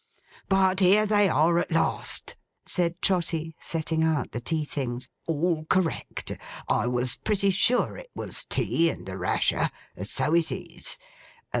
'But here they are at last,' said Trotty, setting out the tea things, 'all correct! I was pretty sure it was tea, and a rasher. So it is.